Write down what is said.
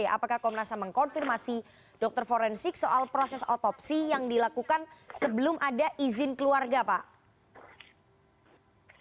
apakah komnas ham mengkonfirmasi dokter forensik soal proses otopsi yang dilakukan sebelum ada izin keluarga pak